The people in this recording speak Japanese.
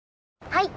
はい！